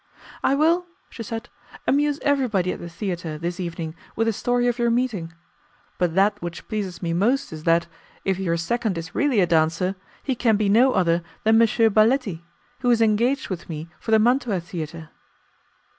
"I will," she said, "amuse everybody at the theatre this evening with the story of your meeting. But that which pleases me most is that, if your second is really a dancer, he can be no other than M. Baletti, who is engaged with me for the Mantua Theatre."